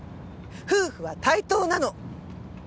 夫婦は対等なの！